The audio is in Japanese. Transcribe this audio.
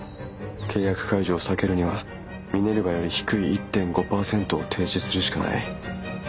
契約解除を避けるにはミネルヴァより低い１．５％を提示するしかない。